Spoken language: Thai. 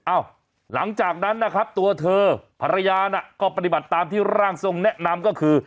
หลังจากนั้นนะครับตัวเธอภรรยาน่ะก็ปฏิบัติตามที่ร่างทรงแนะนำก็คือ